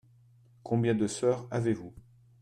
Combien de sœurs avez-vous ?